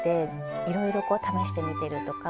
いろいろこう試してみてるとか。